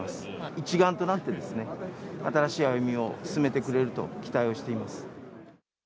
一丸となって、新しい歩みを進めてくれると期待をしています。